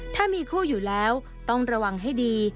ถ้ามีคู่อยู่แล้วต้องระวังให้ดี